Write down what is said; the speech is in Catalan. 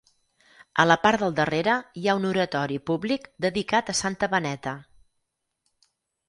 A la part del darrere hi ha un oratori públic dedicat a Santa Beneta.